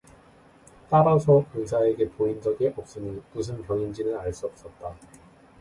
따라서 의사에게 보인 적이 없으니 무슨 병인지는 알 수 없었다